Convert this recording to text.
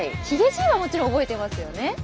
ヒゲじいはもちろん覚えてますよね？